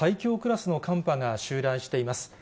過去最強クラスの寒波が襲来しています。